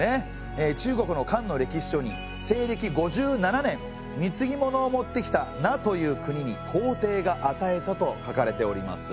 中国の漢の歴史書に西暦５７年みつぎ物をもってきた奴という国に皇帝があたえたと書かれております。